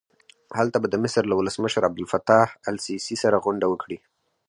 هلته به د مصر له ولسمشر عبدالفتاح السیسي سره غونډه وکړي.